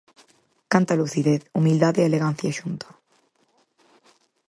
Canta lucidez, humildade e elegancia xunta.